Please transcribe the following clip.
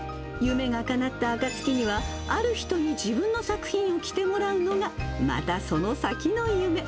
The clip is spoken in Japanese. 夢がかなったあかつきには、ある人に自分の作品を着てもらうのが、またその先の夢。